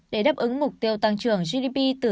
để đáp ứng mục tiêu tăng trưởng gdp từ sáu sáu năm